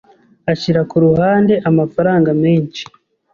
Ashira ku ruhande amafaranga menshi.